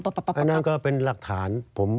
อันนั้นก็เป็นหลักฐาน